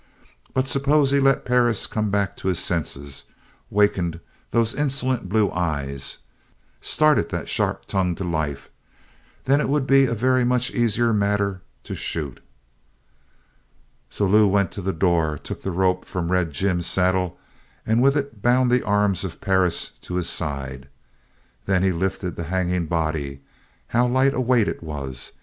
But suppose he let Perris come back to his senses, wakened those insolent blue eyes, started that sharp tongue to life then it would be a very much easier matter to shoot. So Lew went to the door, took the rope from Red Jim's saddle, and with it bound the arms of Perris to his side. Then he lifted the hanging body how light a weight it was!